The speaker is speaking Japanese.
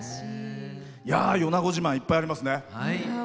米子自慢、いっぱいありますね。